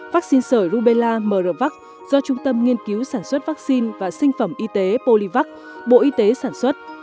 vắc xin sởi rubella mrvac do trung tâm nghiên cứu sản xuất vắc xin và sinh phẩm y tế polivac bộ y tế sản xuất